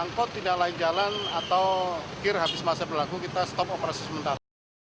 angkut tidak layak jalan atau akhir habis masa berlaku kita stop operasi sementara